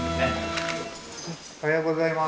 おはようございます。